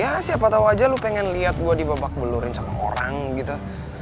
ya siapa tau aja lo pengen liat gue dibabak belurin sama orang gitu